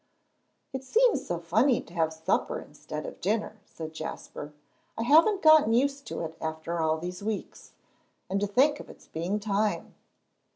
"It seems so funny to have supper instead of dinner," said Jasper. "I haven't gotten used to it after all these weeks. And to think of its being time.